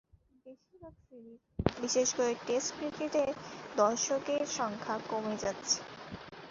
বেশির ভাগ সিরিজ, বিশেষ করে টেস্ট ক্রিকেটে দর্শকের সংখ্যা কমে যাচ্ছে।